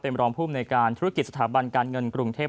เป็นรองภูมิในการธุรกิจสถาบันการเงินกรุงเทพ